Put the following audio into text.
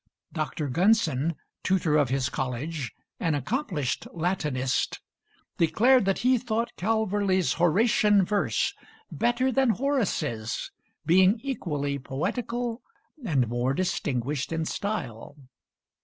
Dr. Gunson, tutor of his college, an accomplished Latinist, declared that he thought Calverley's Horatian verse better than Horace's, being equally poetical, and more distinguished in style.